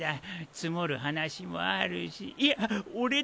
積もる話もあるしいや俺だけか？